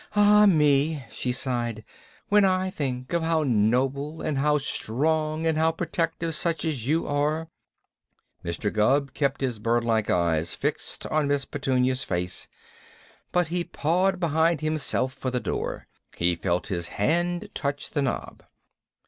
Ah, me!" she sighed. "When I think of how noble and how strong and how protective such as you are " Mr. Gubb kept his bird like eyes fixed on Miss Petunia's face, but he pawed behind himself for the door. He felt his hand touch the knob.